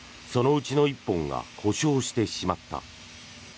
そのうちの１本が故障してしまった。